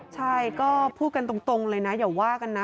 ใช่ก็พูดกันตรงเลยนะอย่าว่ากันนะ